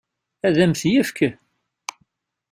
Ad m-t-yefk?